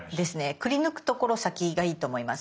くりぬくところ先がいいと思います。